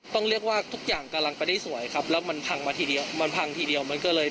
ต้องเรียกว่าทุกอย่างกำลังไปได้สวยครับแล้วมันพังมาทีเดียว